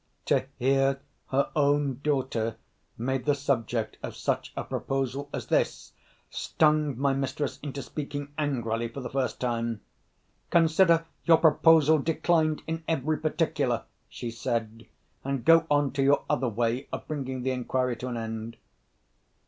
To hear her own daughter made the subject of such a proposal as this, stung my mistress into speaking angrily for the first time. "Consider your proposal declined, in every particular," she said. "And go on to your other way of bringing the inquiry to an end."